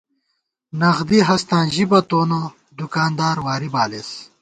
نغدی ہستاں ژِبہ تونہ ، دُکاندار واری بالېس